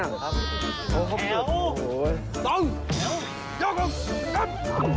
แขววแขววยกลงยกลง